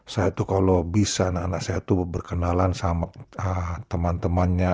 saya itu kalau bisa anak anak saya itu berkenalan sama teman temannya